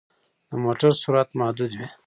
د موټر سرعت محدود وي.